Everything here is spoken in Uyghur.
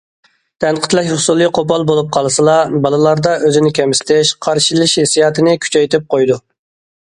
تەنقىدلەش ئۇسۇلى قوپال بولۇپ قالسىلا، بالىلاردا ئۆزىنى كەمسىتىش، قارشىلىشىش ھېسسىياتىنى كۈچەيتىپ قويىدۇ.